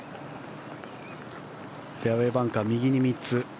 フェアウェーバンカー右に３つ。